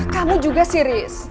kamu juga siris